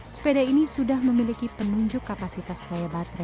sepeda ini sudah memiliki penunjuk kapasitas daya baterai